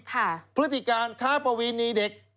พฤติการค้าประเวณีเด็ก